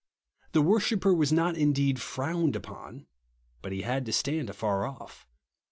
The worshipper was not indeed frowned upon ; but he had to stand afar off.